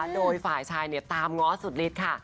โดยฝ่ายชายเนี่ยตามง้อสุดลิดค่ะ